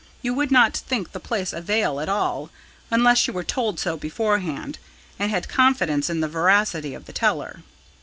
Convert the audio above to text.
You would not think the place a vale at all, unless you were told so beforehand, and had confidence in the veracity of the teller.